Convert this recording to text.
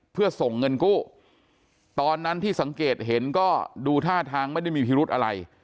เพื่อส่งเงินกู้ตอนนั้นที่สังเกตเห็นก็ดูท่าทางไม่ได้มีพิรุธอะไร